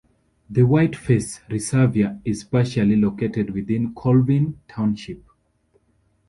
The Whiteface Reservoir is partially located within Colvin Township.